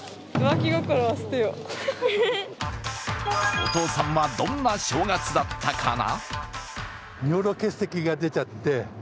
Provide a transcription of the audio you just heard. お父さんはどんな正月だったかな？